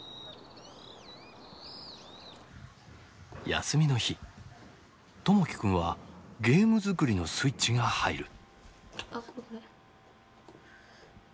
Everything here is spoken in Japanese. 休みの日友輝くんはゲーム作りのスイッチが入る。